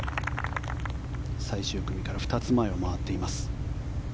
最終組から２つ前を回っています。